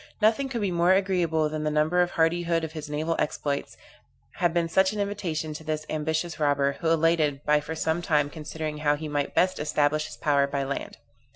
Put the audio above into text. Nothing could be more agreeable than the number and hardihood of his naval exploits, had been such an invitation to this ambitious robber, who elated by for some time considering how he might best establish his power by land.